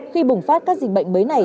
khi bùng phát các dịch bệnh mới này